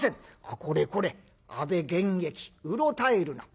「これこれ阿部玄益うろたえるな。